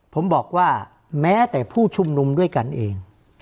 ผมบอกว่าแม้แต่ผู้ชุมนุมด้วยกันเอง